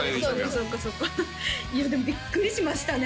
そうですそうですいやでもビックリしましたね